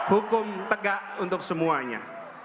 hukum tegas untuk semuanya